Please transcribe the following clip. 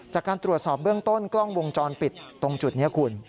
จากการตรวจสอบเบื้องต้นกล้องวงจรปิดตรงจุดนี้คุณ